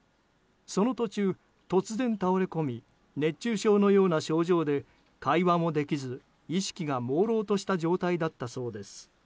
その途中、突然倒れ込み熱中症のような症状で会話もできず意識がもうろうとした状態だったそうです。